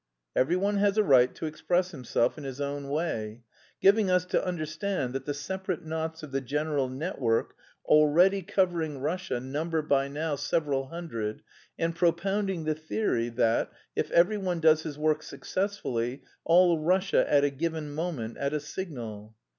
"Every one has a right to express himself in his own way. Giving us to understand that the separate knots of the general network already covering Russia number by now several hundred, and propounding the theory that if every one does his work successfully, all Russia at a given moment, at a signal..."